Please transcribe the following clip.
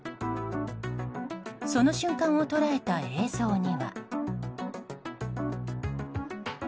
その瞬間を捉えた映像には。